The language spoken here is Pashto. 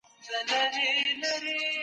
ایا ډېرې پیسې نه مصرفېږي؟